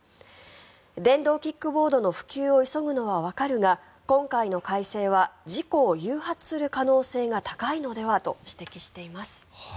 電動キックボードの普及を急ぐのはわかるが今回の改正は事故を誘発する可能性が高いのではと指摘しています。